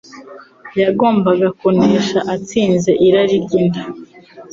yagombaga kunesha atsinze irari ry’inda.